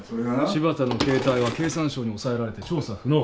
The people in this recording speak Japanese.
柴田の携帯は経産省に押さえられて調査不能。